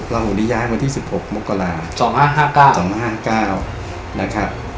เราหัวนี้ย้ายวันที่๑๖มน๒๕๕๙นะครับ